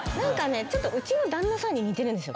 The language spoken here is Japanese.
ちょっとうちの旦那さんに似てるんですよ